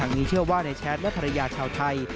นี้เชื่อว่านายแชทและภรรยาชาวไทย